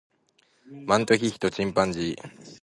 マントヒヒとチンパンジー